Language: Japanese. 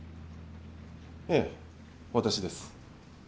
ええ私です。